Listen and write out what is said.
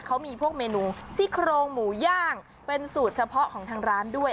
เขามีพวกเมนูซี่โครงหมูย่างเป็นสูตรเฉพาะของทางร้านด้วย